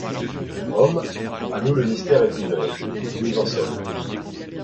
Homme, à nous le mystère est ouvert. Nous en sommes.